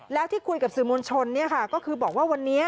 แล้วที่คุยกับสื่อมวลชนก็คือบอกว่าวันนี้